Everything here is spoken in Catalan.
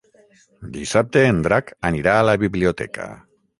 Dissabte en Drac anirà a la biblioteca.